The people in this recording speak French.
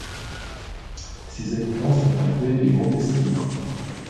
Ses habitants sont appelés les Montesquivains.